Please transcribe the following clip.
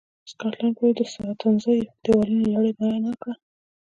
د سکاټلند پورې د ساتنیزو دېوالونو لړۍ بنا کړه.